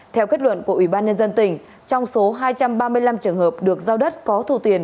theo kết luận của ủy ban nhân dân tỉnh trong số hai trăm ba mươi năm trường hợp được giao đất có thu tiền